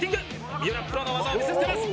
三浦プロの技を見せつけます！